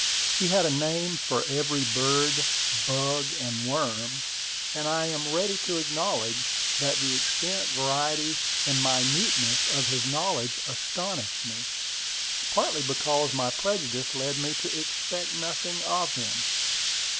He had a name for every bird, bug, and worm; and I am ready to acknowledge that the extent, variety, and minuteness of his knowledge astonished me, partly because my prejudice led me to expect nothing of him.